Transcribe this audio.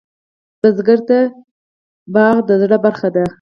بزګر ته پټی د زړۀ برخه ده